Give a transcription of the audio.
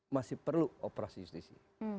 masih perlu operasi justisi